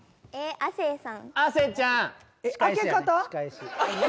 亜生さん